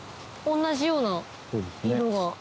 同じような色が。